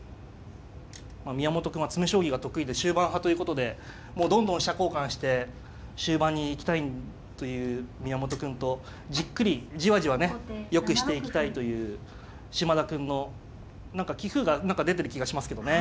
宮本くんは詰将棋が得意で終盤派ということでもうどんどん飛車交換して終盤に行きたいという宮本くんとじっくりじわじわねよくしていきたいという嶋田くんの何か棋風が出てる気がしますけどね。